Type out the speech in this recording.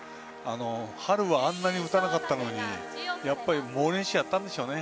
春はあんなに打たなかったのに猛練習をやったんですね。